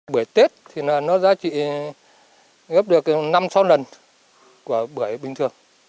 bưởi tết thì nó giá trị gấp được năm sáu lần của bưởi bình thường